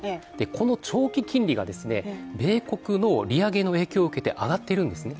この長期金利が、米国の利上げの影響を受けて上がっているんですね、